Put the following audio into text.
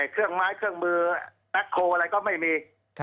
เขื่อม้ายเครื่องมือแบ็คโคนอะไรก็ไม่มี